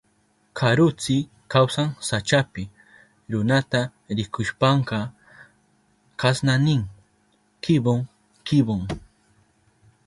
Karuntsi kawsan sachapi. Runata rikushpanka kasna nin: kibon kibon.